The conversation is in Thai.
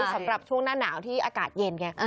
สำหรับช่วงหน้าหนาวที่อากาศเย็นไง